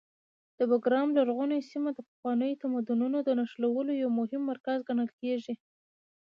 د بګرام لرغونې سیمه د پخوانیو تمدنونو د نښلولو یو مهم مرکز ګڼل کېږي.